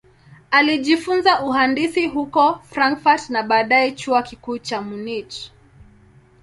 Alijifunza uhandisi huko Frankfurt na baadaye Chuo Kikuu cha Munich.